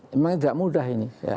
memang tidak mudah ini